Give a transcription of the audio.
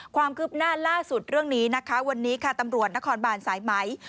ความคืบหน้าล่าสุดเรื่องนี้นะคะวันนี้ค่ะตำรวจนครบานสายไหม